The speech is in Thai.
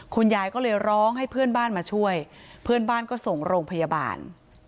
คุณยายก็เลยร้องให้เพื่อนบ้านมาช่วยเพื่อนบ้านก็ส่งโรงพยาบาล